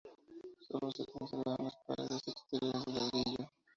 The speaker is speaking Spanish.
Solo se conservaron las paredes exteriores de ladrillo.